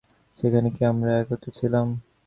সেখানে কি আমরা একত্রে ছিলাম?